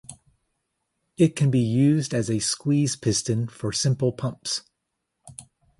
It can be used as a squeeze piston for simple pumps.